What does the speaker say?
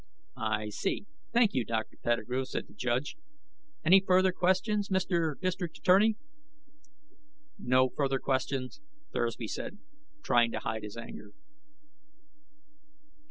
"I see; thank you, Dr. Pettigrew," said the judge. "Any further questions, Mr. District Attorney?" "No further questions," Thursby said, trying to hide his anger.